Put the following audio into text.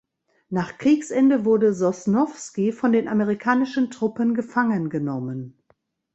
Nach Kriegsende wurde Sosnowski von den amerikanischen Truppen gefangen genommen.